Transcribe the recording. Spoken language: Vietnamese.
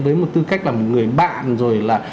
với một tư cách là một người bạn rồi là